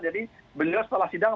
jadi setelah sidang